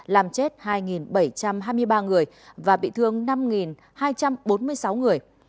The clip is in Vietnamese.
làm chết hai bảy trăm hai mươi ba người và bị thương năm hai trăm bốn mươi sáu người